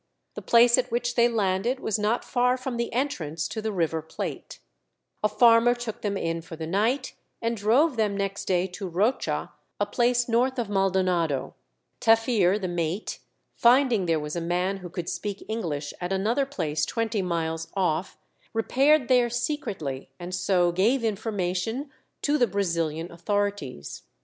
The place at which they landed was not far from the entrance to the River Plate. A farmer took them in for the night, and drove them next day to Rocha, a place north of Maldonado. Taffir, the mate, finding there was a man who could speak English at another place twenty miles off, repaired there secretly, and so gave information to the Brazilian authorities.